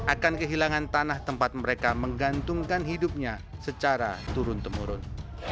akan kehilangan tanah tempat mereka menggantungkan hidupnya secara turun temurun